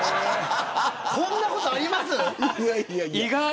こんなことありますか。